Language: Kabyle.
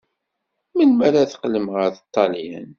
Melmi ara teqqlemt ɣer Ṭṭalyan?